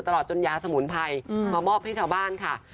ตลอดจนยาสมุนไพรมามอบให้ชาวบ้านค่ะ